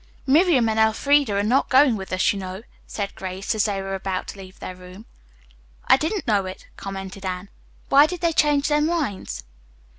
"Miriam and Elfreda are not going with us, you know," said Grace as they were about to leave their room. "I didn't know it," commented Anne. "Why did they change their minds?"